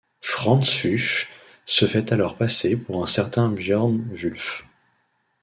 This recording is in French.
Frantz Fuchs se fait alors passer pour un certain Björn Wulff.